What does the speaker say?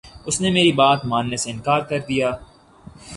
اس نے میری بات ماننے سے انکار کر دیا